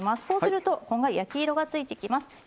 そうするとこんがり焼き色がついてきます。